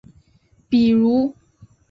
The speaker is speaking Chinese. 比如